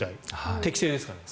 適正ですかね。